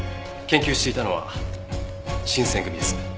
研究していたのは新選組です。